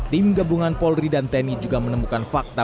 tim gabungan polri dan tni juga menemukan fakta